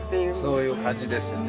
そういう感じですよね。